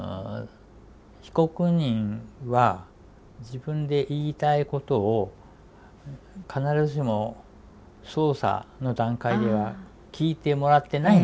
被告人は自分で言いたいことを必ずしも捜査の段階では聞いてもらってないんですよ。